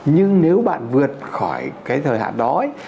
nhưng nếu bạn vượt khỏi cái thời hạn đó